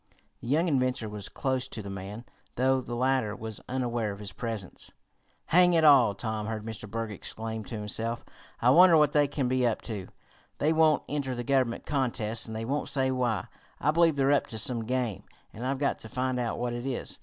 The young inventor was close to the man, though the latter was unaware of his presence. "Hang it all!" Tom heard Mr. Berg exclaim to himself. "I wonder what they can be up to? They won't enter the Government contests, and they won't say why. I believe they're up to some game, and I've got to find out what it is.